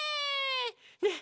ねえ！